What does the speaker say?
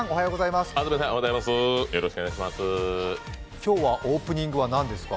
今日はオープニングは何ですか？